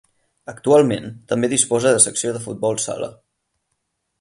Actualment també disposa de secció de futbol sala.